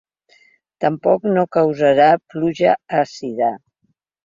Tampoc no causarà pluja àcida.